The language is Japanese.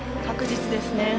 確実ですね。